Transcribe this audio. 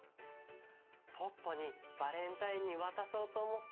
ポッポにバレンタインにわたそうとおもって。